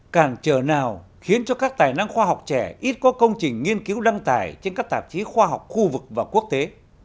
càng trở nào khiến cho các tài năng khoa học trẻ ít có công trình nghiên cứu đăng tải trên các tạp chí khoa học khu vực và quốc tế